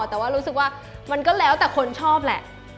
แต่ว่ารู้สึกว่ามันก็แล้วแต่คนชอบแหละ